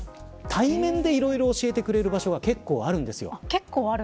対面でいろいろ教えてくれる場所が結構あるんですよ。